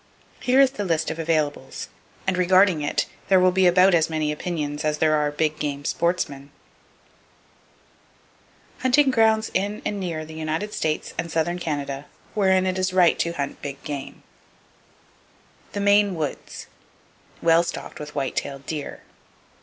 Here is the list of availables; and regarding it there will be about as many opinions as there are big game sportsmen: HUNTING GROUNDS IN AND NEAR THE UNITED STATES AND SOUTHERN CANADA WHEREIN IT IS RIGHT TO HUNT BIG GAME The Maine Woods : Well stocked with white tailed deer.